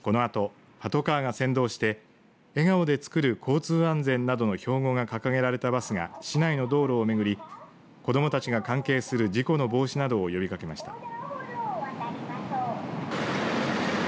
このあと、パトカーが先導して笑顔でつくる交通安全などの標語が掲げられたバスが市内の道路を巡り子どもたちが関係する事故の防止などを呼びかけました。